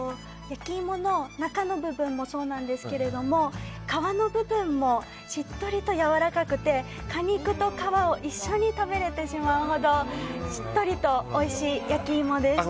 焼き芋の中の部分もそうなんですけども皮の部分もしっとりと、やわらかくて果肉と皮を一緒に食べられてしまうほどしっとりとおいしい焼き芋です。